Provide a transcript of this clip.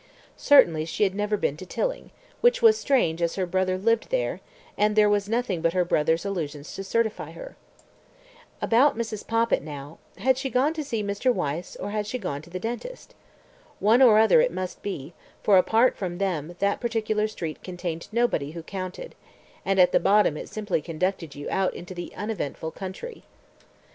Certainly she had never been to Tilling, which was strange as her brother lived there, and there was nothing but her brother's allusions to certify her. About Mrs. Poppit now: had she gone to see Mr. Wyse or had she gone to the dentist? One or other it must be, for apart from them that particular street contained nobody who counted, and at the bottom it simply conducted you out into the uneventful country.